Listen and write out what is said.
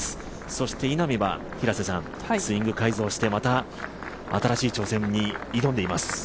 そして稲見はスイング改造してまた新しい挑戦に挑んでいます。